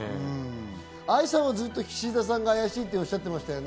愛さんはずっと菱田さんがあやしいっておっしゃってましたね。